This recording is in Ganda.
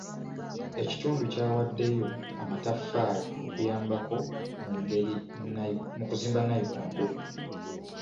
Ekitundu kyawaddeyo amataffaali okuyambako mu kuzimba nnayikondo.